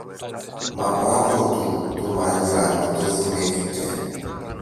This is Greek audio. Μα μπράβο του του μάγειρα που το θυμήθηκε!